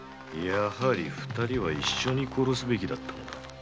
やはり二人は一緒に殺すべきだった。